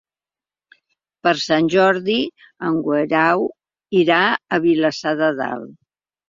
Per Sant Jordi en Guerau irà a Vilassar de Dalt.